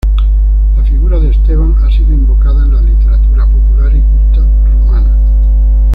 La figura de Esteban ha sido invocada en la literatura popular y culta rumana.